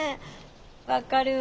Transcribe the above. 分かるわ。